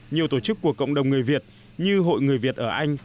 nhiều tổ chức của cộng đồng người việt như hội người việt ở anh